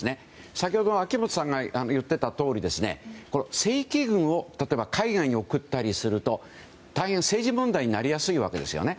先ほど、秋元さんが言ってたとおり正規軍を例えば、海外に送ったりすると大変、政治問題になりやすいわけですね。